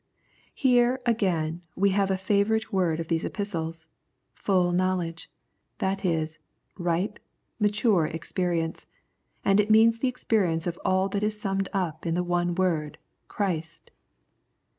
Here, again, we have a favourite word of these Epistles, "full knowledge," that is, ripe, mature experience ; and it means the experience of all that is summed up in the one word " Christ."